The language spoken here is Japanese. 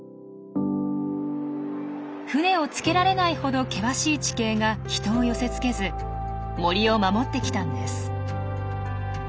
船をつけられないほど険しい地形が人を寄せつけず森を守ってきたんです。